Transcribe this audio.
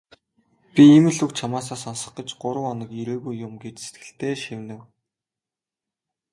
"Би ийм л үг чамаасаа сонсох гэж гурав хоног ирээгүй юм" гэж сэтгэлдээ шивнэв.